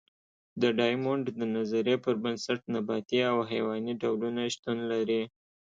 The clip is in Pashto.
د ډایمونډ د نظریې پر بنسټ نباتي او حیواني ډولونه شتون لري.